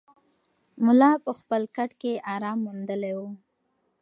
ملا په خپل کټ کې ارام موندلی و.